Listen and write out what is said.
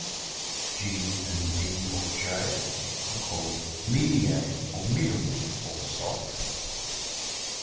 B, G, and D or J are called mediae or middle (or soft).